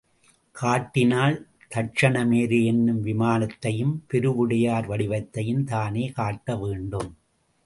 காட்டினால் தக்ஷணமேரு என்னும் விமானத்தையும், பெருவுடையார் வடிவத்தையும் தானே காட்ட வேண்டும்.